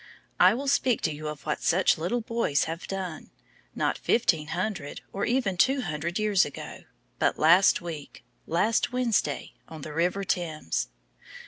I will speak to you of what such little boys have done, not fifteen hundred, or even two hundred years ago, but last week last Wednesday, on the river Thames.